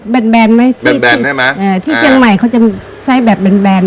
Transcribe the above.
แนนไหมแบนแนนใช่ไหมอ่าที่เชียงใหม่เขาจะใช้แบบแบนแบน